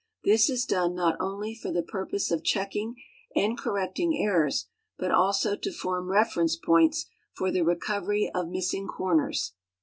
This is done not only for the purpose of checking and correcting errors, but also to form reference points for the recovery of missing corners, NAT.